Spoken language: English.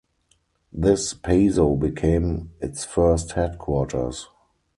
This pazo became its first headquarters.